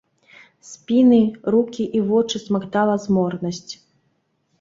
Спіны, рукі і вочы смактала зморанасць.